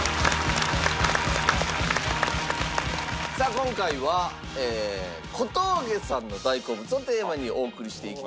今回は小峠さんの大好物をテーマにお送りしていきたいと思います。